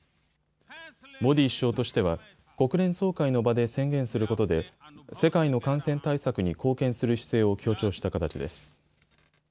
モディ首相としては国連総会の場で宣言することで世界の感染対策に貢献する姿勢を強調した形です。